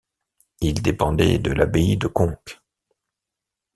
Il dépendait de l'Abbaye de Conques.